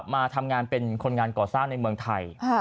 มาทำงานเป็นคนงานก่อสร้างในเมืองไทย